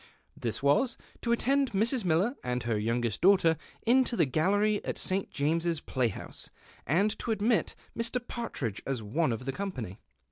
This was, to attend Mrs. Miller and her youngest daughter into the gallery at the St. James's play house, and to admit Mr. Partridge as one of the company.